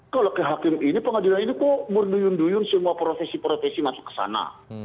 kalau ke hakim ini pengadilan ini kok merduyun duyun semua prosesi prosesi masuk ke sana